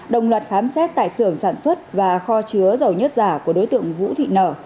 đồng loạt khám xét tại xưởng sản xuất và kho chứa dầu nhất giả của đối tượng vũ thị nở